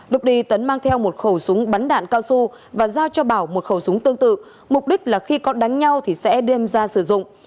lúc đi tấn mang theo một khẩu súng bắn đạn cao su và giao cho bảo một khẩu súng tương tự mục đích là khi có đánh nhau thì sẽ đem ra sử dụng